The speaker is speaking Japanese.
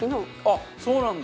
あっそうなんだ！